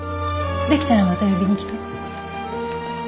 出来たらまた呼びに来て。